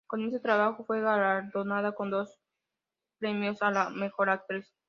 Con este trabajo, fue galardonada con dos premios a la mejor actriz.